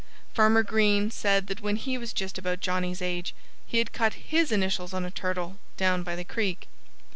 Farmer Green said that when he was just about Johnnie's age he had cut his initials on a turtle, down by the creek.